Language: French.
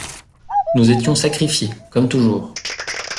Nous étions sacrifiées… comme toujours !